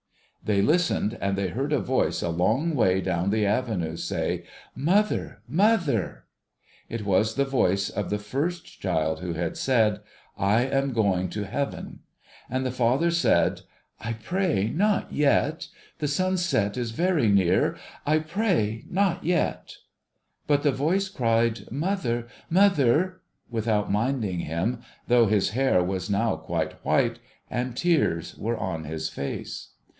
They listened, and they heard a voice a long way down the avenue, say, ' Mother, mother !' It was the voice of the first child who had said, ' I am going to 40 THE CHILD'S STORY Heaven !' and the father said, ' I jjray not yet. The sunset is very near. I pray not yet !' But, tlie voice cried, ' Mother, mother !' without minding him, though his hair was now quite white, and tears were on his face.